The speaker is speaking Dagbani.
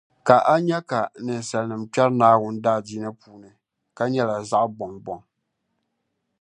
Ka a nya ka ninsalinim’ kpɛri Naawuni daadiini puuni ka nyɛla zaɣi bɔŋ bɔŋ.